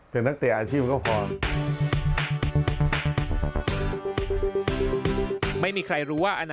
เป็นนักเตะอาชีพก็พอ